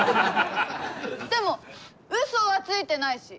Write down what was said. でもうそはついてないし！